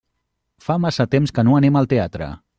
Fa massa temps que no anem al teatre.